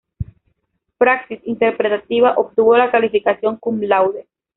Praxis interpretativa" obtuvo la calificación "cum laude.